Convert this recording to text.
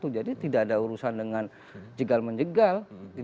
jadi tidak ada urusan dengan jegal menjegal